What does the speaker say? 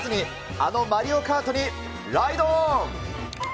あのマリオカートにライドオン！